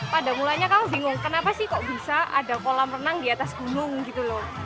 pada mulanya kamu bingung kenapa sih kok bisa ada kolam renang di atas gunung gitu loh